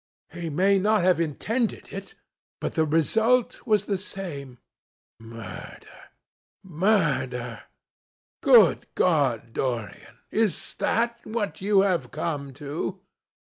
He may not have intended it, the result was the same." "Murder! Good God, Dorian, is that what you have come to?